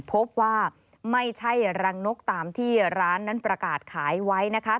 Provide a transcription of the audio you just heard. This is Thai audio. พบว่าไม่ใช่รังนกตามที่ร้านนั้นประกาศขายไว้นะคะ